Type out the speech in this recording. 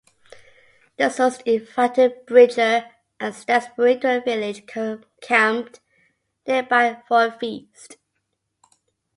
The Sioux invited Bridger and Stansbury to their village camped nearby for a feast.